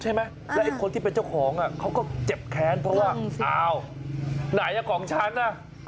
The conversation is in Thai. ใช่ไหมแล้วไอ้คนที่เป็นเจ้าของเขาก็เจ็บแค้นเพราะว่าอ้าวไหนของฉันน่ะ